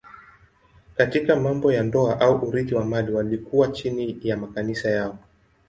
Katika mambo ya ndoa au urithi wa mali walikuwa chini ya makanisa yao.